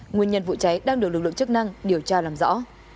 nguyên nhân vụ cháy đang được lực lượng chức năng điều tra làm rõ